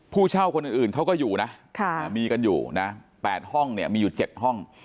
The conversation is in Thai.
ผู้เช่าคนอื่นเขาก็อยู่นะมีกันอยู่นะ๘ห้องเนี่ยมีอยู่๗ห้อง